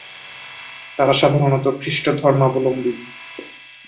তারা সাধারণত খ্রিস্ট ধর্মাবলম্বী।